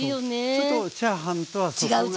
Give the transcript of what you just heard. ちょっとチャーハンとはそこが違う。